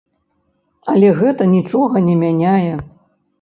Але гэта нічога не мяняе.